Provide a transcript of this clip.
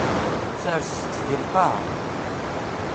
Serset-t deg lqaɛa.